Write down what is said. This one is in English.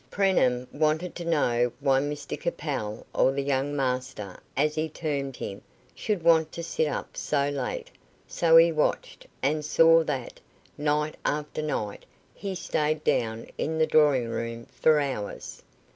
Preenham wanted to know why Mr Capel, "or the young master," as he termed him, should want to sit up so late, so he watched, and saw that, night after night, he stayed down in the drawing room for hours.